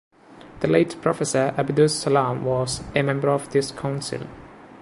The late Professor Abdus Salam was a member of this council.